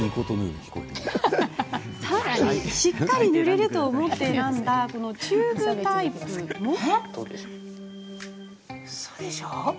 さらに、しっかり塗れると思って選んだチューブタイプでも。